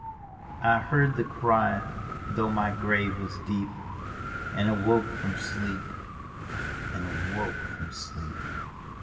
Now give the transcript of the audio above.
" I heard the cry, though my grave was deep. And awoke from sleep, and awoke from sleep.